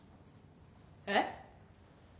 えっ？